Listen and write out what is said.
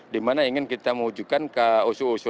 dimana ingin kita mewujudkan ke usus usus